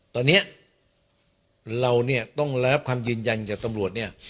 ตอนนี้เราเนี่ยต้องรับคำยืนยันจากตำรวจเนี่ย